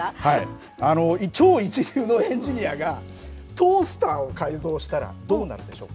超一流のエンジニアがトースターを改造したらどうなるんでしょう。